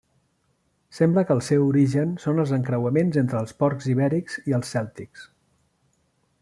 Sembla que el seu origen són els encreuaments entre els porcs ibèrics i els cèltics.